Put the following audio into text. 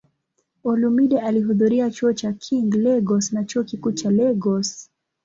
Olumide alihudhuria Chuo cha King, Lagos na Chuo Kikuu cha Lagos.